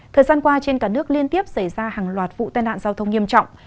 thời gian qua trên cả nước liên tiếp xảy ra hàng loạt vụ tai nạn giao thông nghiêm trọng